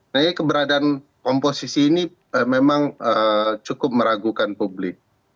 jadi keberadaan komposisi ini memang cukup meragukan publik